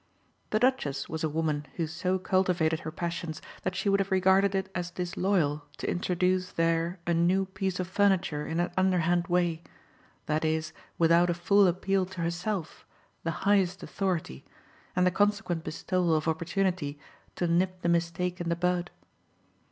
The Duchess was a woman who so cultivated her passions that she would have regarded it as disloyal to introduce there a new piece of furniture in an underhand way that is without a full appeal to herself, the highest authority, and the consequent bestowal of opportunity to nip the mistake in the bud.